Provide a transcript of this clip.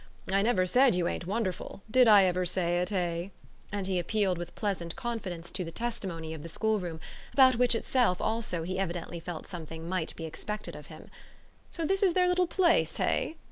"I never said you ain't wonderful did I ever say it, hey?" and he appealed with pleasant confidence to the testimony of the schoolroom, about which itself also he evidently felt something might be expected of him. "So this is their little place, hey?